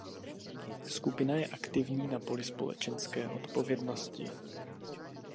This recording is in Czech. Skupina je aktivní na poli společenské odpovědnosti.